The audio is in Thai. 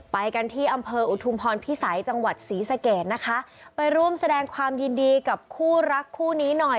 ไปกันที่อำเภออุทุมพรพิสัยจังหวัดศรีสะเกดนะคะไปร่วมแสดงความยินดีกับคู่รักคู่นี้หน่อย